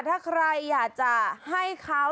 ถ้าใครอยากจะให้เขา